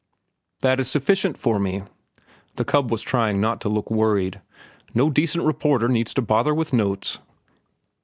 "That is sufficient for me." The cub was trying not to look worried. "No decent reporter needs to bother with notes."